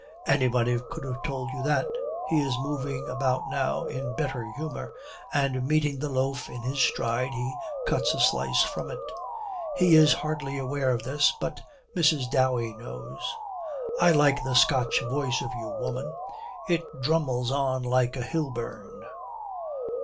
'Anybody could have told you that.' He is moving about now in better humour, and, meeting the loaf in his stride, he cuts a slice from it. He is hardly aware of this, but Mrs. Dowey knows. 'I like the Scotch voice of you, woman. It drummles on like a hill burn.'